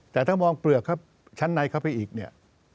แต่ถ้ามองเปลือกครับชั้นในเข้าไปอีกเนี่ย